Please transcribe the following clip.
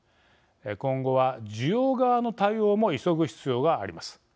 今後は需要側の対応も急ぐ必要があります。